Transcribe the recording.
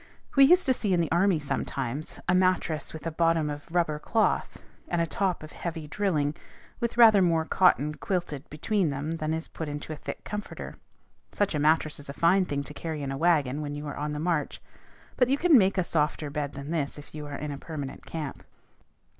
We used to see in the army sometimes, a mattress with a bottom of rubber cloth, and a top of heavy drilling, with rather more cotton quilted between them than is put into a thick comforter. Such a mattress is a fine thing to carry in a wagon when you are on the march; but you can make a softer bed than this if you are in a permanent camp.